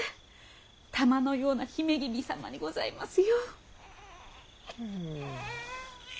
玉のような姫君様にございますよ。